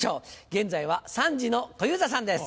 現在は参事の小遊三さんです。